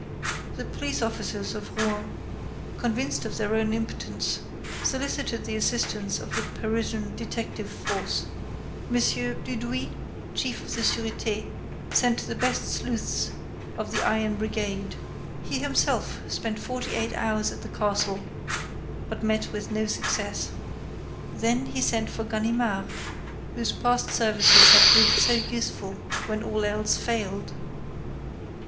The police officers of Rouen, convinced of their own impotence, solicited the assistance of the Parisian detective force. Mon. Dudouis, chief of the Sûreté, sent the best sleuths of the iron brigade. He himself spent forty eight hours at the castle, but met with no success. Then he sent for Ganimard, whose past services had proved so useful when all else failed.